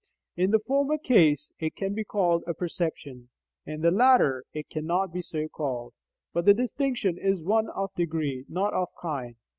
In the former case it can be called a perception; in the latter it cannot be so called. But the distinction is one of degree, not of kind.